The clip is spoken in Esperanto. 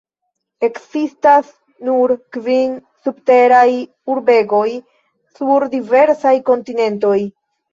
Ekzistas nur kvin subteraj urbegoj, sur diversaj kontinentoj.